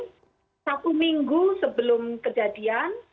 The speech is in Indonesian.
dan satu minggu sebelum kejadian